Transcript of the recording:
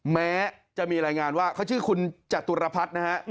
แม้จะมีรายงานว่าเขาชื่อคุณจตุรพัฒน์นะฮะ